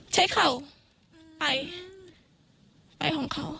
ใช้เขาไปไปของเขา